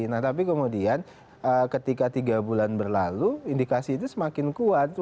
nah tapi kemudian ketika tiga bulan berlalu indikasi itu semakin kuat